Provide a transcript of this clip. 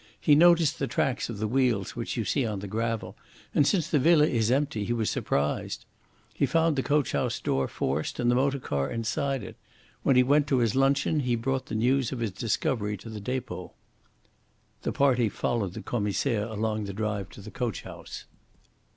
He noticed the tracks of the wheels which you can see on the gravel, and since the villa is empty he was surprised. He found the coach house door forced and the motor car inside it. When he went to his luncheon he brought the news of his discovery to the depot." The party followed the Commissaire along the drive to the coach house.